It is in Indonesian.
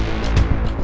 saya mau ke rumah